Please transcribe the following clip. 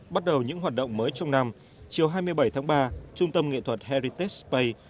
bắt đầu những hoạt động mới trong năm chiều hai mươi bảy tháng ba trung tâm nghệ thuật heritas pay